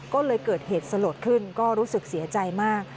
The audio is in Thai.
ก็เลยเกิดเหตุสลดขึ้นก็รู้สึกเสียใจมาก